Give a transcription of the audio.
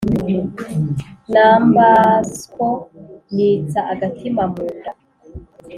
numbersko nitsa agatima mu nda